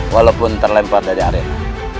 walaupun terlempar dari arena